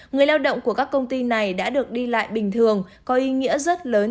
người lao động của các công ty này đã được đi lại bình thường